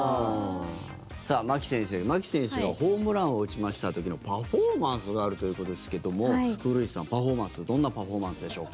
さあ、牧選手がホームランを打ちました時のパフォーマンスがあるということですけども古市さん、パフォーマンスどんなパフォーマンスでしょう。